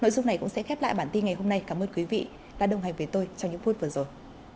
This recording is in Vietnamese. nội dung này cũng sẽ khép lại bản tin ngày hôm nay cảm ơn quý vị đã đồng hành với tôi trong những phút vừa rồi